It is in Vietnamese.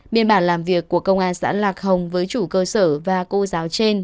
biên bản làm việc của công an xã lạc hồng với chủ cơ sở và cô giáo trên